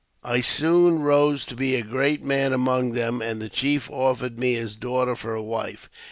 I soon rose to be a great man among them, and the chief offered me his daughter for a wife.